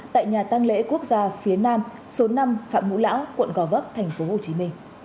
tại nhà tăng lễ quốc gia phía nam số năm phạm ngũ lão quận gò vấp tp hcm